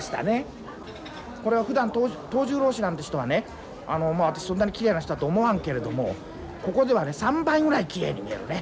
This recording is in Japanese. これはふだん藤十郎氏なんて人はねあの私そんなにきれいな人だとは思わんけれどもここではね３倍ぐらいきれいに見えるね。